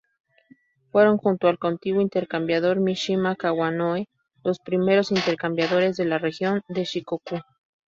Fueron junto al contiguo Intercambiador Mishima-Kawanoe los primeros intercambiadores de la Región de Shikoku.